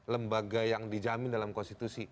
lembaga yang dijamin dalam konstitusi